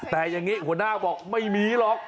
แต่อย่างนี้หัวหน้าบอกไม่มีหรอก